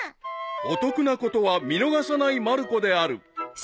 ［お得なことは見逃さないまる子である］